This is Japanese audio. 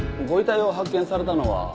ご遺体を発見されたのは？